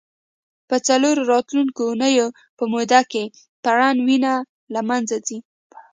په څو راتلونکو اونیو په موده کې پرڼ وینه له منځه ځي.